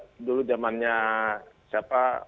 yang beda dulu zamannya siapa